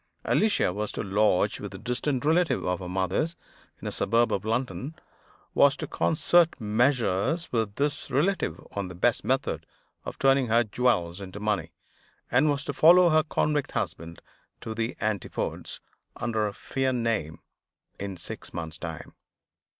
Alicia was to lodge with a distant relative of her mother's in a suburb of London; was to concert measures with this relative on the best method of turning her jewels into money; and was to follow her convict husband to the Antipodes, under a feigned name, in six months' time.